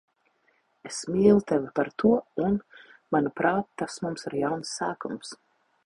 Es mīlu tevi par to un, manuprāt, tas mums ir jauns sākums.